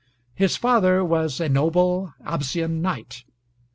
His father was a noble Absian knight.